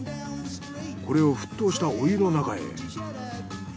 これを沸騰したお湯の中へ。